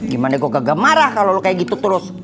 gimana kok gak marah kalau lo kayak gitu terus